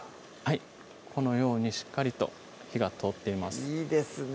このようにしっかりと火が通っていますいいですね